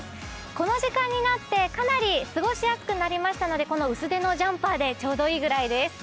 この時間になってかなり過ごしやすくなりましたので薄手のジャンパーでちょうどいいくらいです。